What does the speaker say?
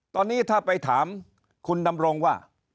ตอนนี้ถ้าไปถามคุณดำรงว่า